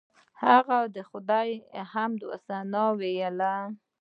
هغه د خدای حمد او ثنا ویله.